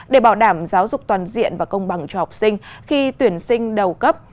để bảo đảm giáo dục toàn diện và công bằng cho học sinh khi tuyển sinh đầu cấp